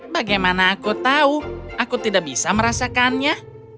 bagaimana aku tahu aku tidak bisa merasakannya